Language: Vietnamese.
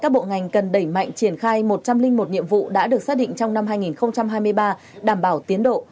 các bộ ngành cần đẩy mạnh triển khai một trăm linh một nhiệm vụ đã được xác định trong năm hai nghìn hai mươi ba đảm bảo tiến độ